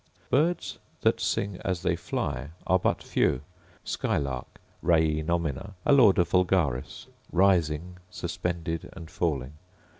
Birds that sing as they fly are but few: Skylark, Raii nomina. Alauda vulgaris: Rising, suspended, and falling.